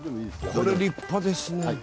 これ立派ですね。